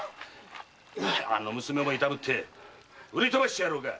〔あの娘もいたぶって売り飛ばしてやろうか？